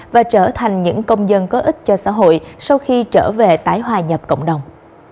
và trở thành những công dân có ích cho xã hội sau khi trở về tái hòa nhập cộng đồng